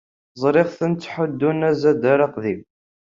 Ẓriɣ-ten tthuddun azadaɣ aqdim.